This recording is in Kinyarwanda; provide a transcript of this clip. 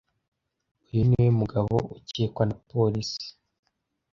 Uyu niwe mugabo ukekwa na polisi.